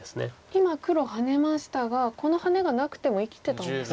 今黒ハネましたがこのハネがなくても生きてたんですか。